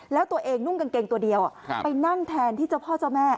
แล้วตัวเองนุ่งกางเกงตัวเดียวไปนั่งแทนที่เจ้าพ่อเจ้าแม่